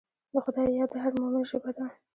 د خدای یاد د هر مؤمن ژبه ده.